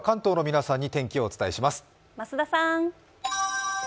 増田さーん。